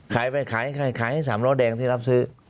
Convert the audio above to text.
ขายไปขายให้๓ล้อแดงที่รับซื้อ